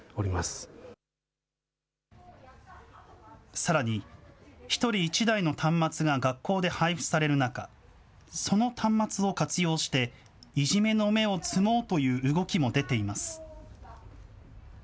さらに、１人１台の端末が学校で配付される中、その端末を活用して、いじめの芽を摘もうという動きも出ています。